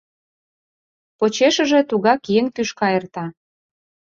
Почешыже тугак еҥ тӱшка эрта.